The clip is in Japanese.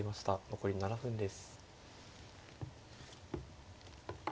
残り７分です。